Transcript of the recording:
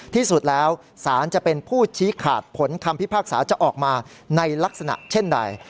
ที่สุดแล้วสารจะเป็นผู้ชี้ขาดผลคำพิพากษาจะออกมาในลักษณะเช่นใด